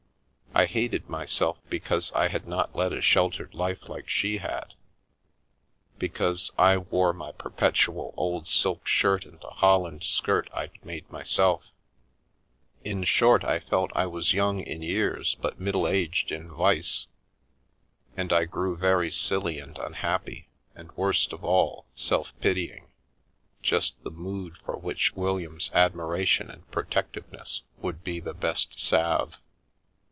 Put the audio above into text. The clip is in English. I hated myself because I had not led a sheltered life like she had, because I wore my perpetual old silk shirt and a holland skirt I'd made myself. In short, I felt I was young in years but middle aged in vice, and I grew very silly and unhappy, and, worst of all, self pitying — just the mood for which William's admiration and protective ness would be the best salve.